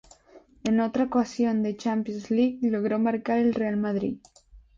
En otra ocasión de Champions League logró marcar al Real Madrid.